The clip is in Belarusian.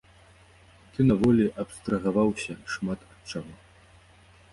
Ты на волі абстрагаваўся шмат ад чаго.